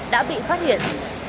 đã bị phát hiện